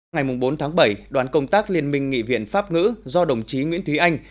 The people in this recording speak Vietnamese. ngày bốn tháng bảy đoàn công tác liên minh nghị viện pháp ngữ do đồng chí nguyễn thúy anh